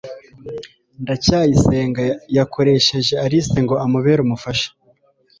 ndacyayisenga yakoresheje alice ngo amubere umufasha